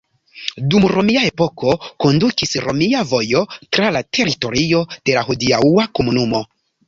Dum romia epoko kondukis romia vojo tra la teritorio de la hodiaŭa komunumo.